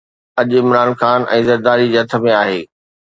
اڄ عمران خان ۽ زرداري جي هٿ ۾ آهي.